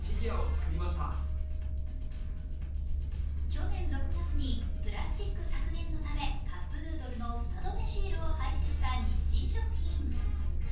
去年６月にプラスチック削減のためカップめんのフタ止めシールを廃止した日清食品。